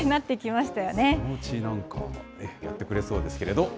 そのうち、なんかやってくれそうですけれども。